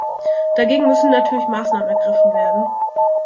Dagegen müssen natürlich Maßnahmen ergriffen werden.